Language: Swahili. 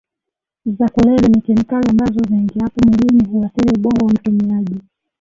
za kulevya ni kemikali ambazo ziingiapo mwilini huathiri ubongo wa mtumiaji